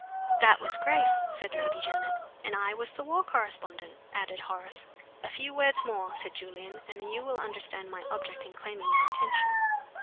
'" "That was Grace," said Lady Janet. "And I was the war correspondent," added Horace. "A few words more," said Julian, "and you will understand my object in claiming your attention."